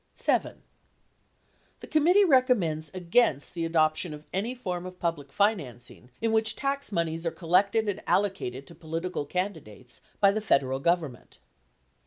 The committee recommends against the adoption of any form of public financing in which tax moneys are collected and allocated to political candidates by the Federal Government.